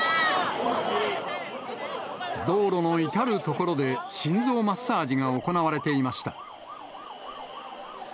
道路の至る所で、心臓マッサージが行われていました。